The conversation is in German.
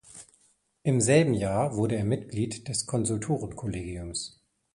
Im selben Jahr wurde er Mitglied des Konsultorenkollegiums.